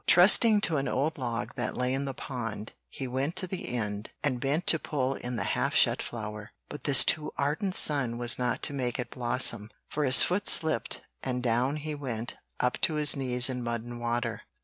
Trusting to an old log that lay in the pond, he went to the end and bent to pull in the half shut flower; but this too ardent sun was not to make it blossom, for his foot slipped and down he went up to his knees in mud and water.